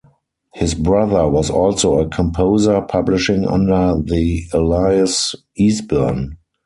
His brother was also a composer, publishing under the alias Eastburn.